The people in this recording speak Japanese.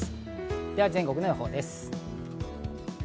では全国の予報です。